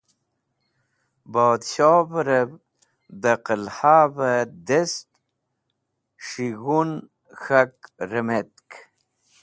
Bodshovrẽv dẽ qẽlhavẽ dest s̃hig̃hun k̃hak rẽmetk.